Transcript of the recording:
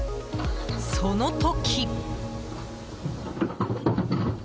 その時。